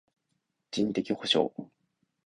人的補償